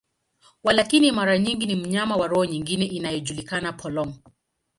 Walakini, mara nyingi ni mnyama wa roho nyingine inayojulikana, polong.